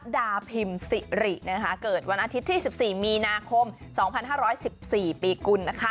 ดาพิมพ์สิริเกิดวันอาทิตย์ที่๑๔มีนาคม๒๕๑๔ปีกุล